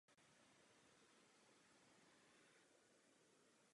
Sloupy mají jednotný průřez.